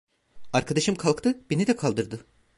Arkadaşım kalktı, beni de kaldırdı.